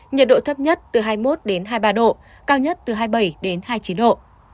nhiệt độ thấp nhất từ hai mươi một hai mươi ba độ cao nhất từ hai mươi bảy đến hai mươi chín độ